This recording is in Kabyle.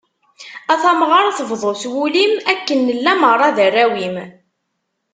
A tamɣart, bḍu s wul-im, akken nella merra d arraw-im.